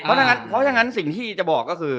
เพราะฉะนั้นสิ่งที่จะบอกก็คือ